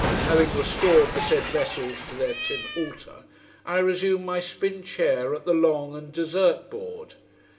Having restored the said vessels to their tin altar, I resume my spin chair at the long and desert board.